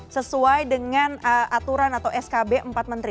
sesuai dengan aturan atau skb empat menteri